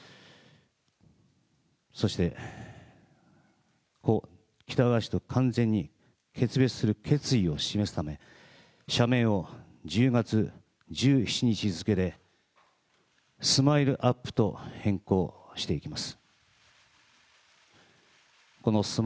そして故・喜多川氏と完全に決別する決意を示すため、社名を１０月１７日付でスマイルアップと変更してまいります。